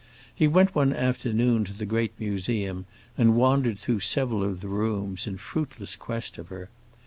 He went one afternoon to the great museum, and wandered through several of the rooms in fruitless quest of her.